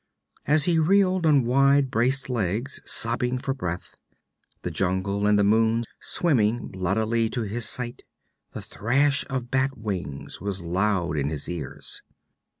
As he reeled on wide braced legs, sobbing for breath, the jungle and the moon swimming bloodily to his sight, the thrash of bat wings was loud in his ears.